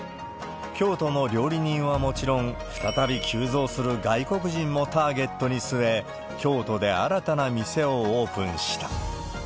京都の料理人はもちろん、再び急増する外国人もターゲットに据え、京都で新たな店をオープンした。